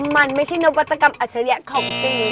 มันไม่ใช่นวัตกรรมอาชริยะของที่นี่